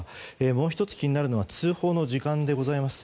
もう１つ、気になるのは通報の時間です。